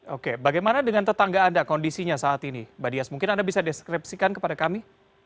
oke bagaimana dengan tetangga anda kondisinya saat ini mbak dias mungkin anda bisa deskripsikan kepada kami